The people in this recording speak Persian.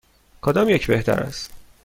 کدام یک بهتر است؟